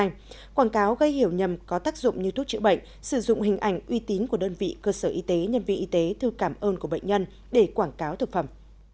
ngoài quảng cáo gây hiểu nhầm có tác dụng như thuốc chữa bệnh sử dụng hình ảnh uy tín của đơn vị cơ sở y tế nhân viên y tế thư cảm ơn của bệnh nhân để quảng cáo thực phẩm